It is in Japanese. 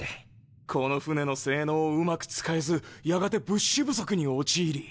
この船の性能をうまく使えずやがて物資不足に陥り。